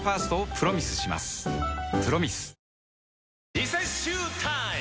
リセッシュータイム！